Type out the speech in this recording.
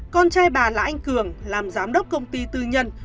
con trai bà là anh cường làm giám đốc công ty tư nhân